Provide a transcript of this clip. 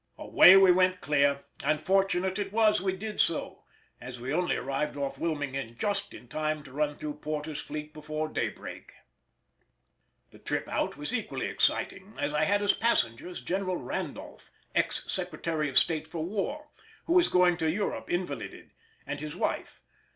Away we went clear, and fortunate it was we did so, as we only arrived off Wilmington just in time to run through Porter's fleet before daybreak. The trip out was equally exciting, as I had as passengers General Randolph, ex Secretary of State for War, who was going to Europe invalided, and his wife.